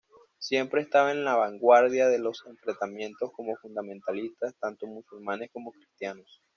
Siempre estaba en la vanguardia de los enfrentamientos con fundamentalistas tanto musulmanes como cristianos.